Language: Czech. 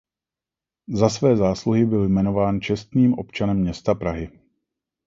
Za své zásluhy byl jmenován čestným občanem města Prahy.